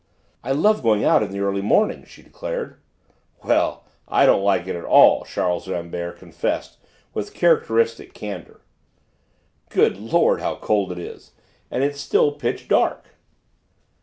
"I love going out in the early morning," she declared. "Well, I don't like it at all," Charles Rambert confessed with characteristic candour. "Good Lord, how cold it is! And it is still pitch dark!"